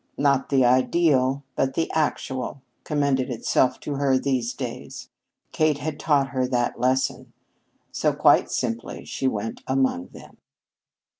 Not the ideal but the actual commended itself to her these days. Kate had taught her that lesson. So, quite simply, she went among them.